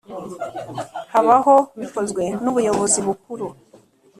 Habaho bikozwe n ubuyobozi bukuru